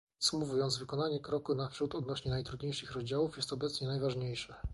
Podsumowując, wykonanie kroku naprzód odnośnie najtrudniejszych rozdziałów jest obecnie najważniejsze